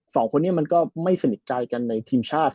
สองคนนี้มันก็ไม่สนิทใจกันในทีมชาติ